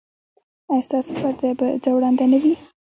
ایا ستاسو پرده به ځوړنده نه وي؟